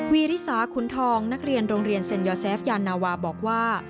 วีริสาขุนทองนักเรียนโรงเรียนเซ็นยอเซฟยานาวาบอกว่า